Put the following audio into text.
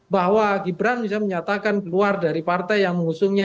bahwa gibran misalnya menyatakan keluar dari partai yang mengusungnya